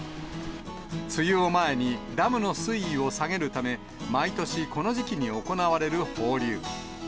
梅雨を前にダムの水位を下げるため、毎年この時期に行われる放流。